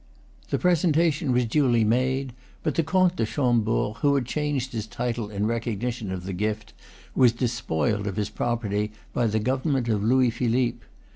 The presentation was duly made; but the Comte de Chambord, who had changed his title in recognition of the gift, was despoiled of his property by the Government of Louis Philippe.